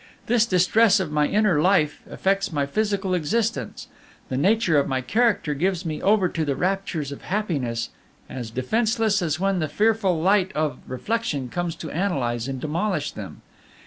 "This distress of my inner life affects my physical existence. The nature of my character gives me over to the raptures of happiness as defenceless as when the fearful light of reflection comes to analyze and demolish them.